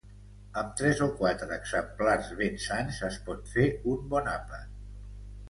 Amb tres o quatre exemplars ben sans es pot fer un bon àpat.